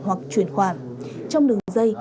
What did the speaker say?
hoặc chuyển khoản trong đường dây